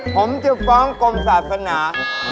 ผมจะฟ้องกรมศาสนา